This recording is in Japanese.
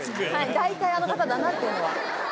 大体あの方だなというのは。